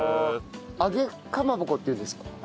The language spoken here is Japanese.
揚げかまぼこっていうんですか？